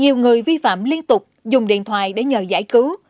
nhiều người vi phạm liên tục dùng điện thoại để nhờ giải cứu